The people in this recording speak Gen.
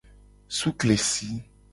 Sukesi.